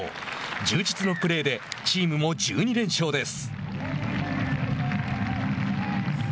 充実のプレーでチームも１２連勝です。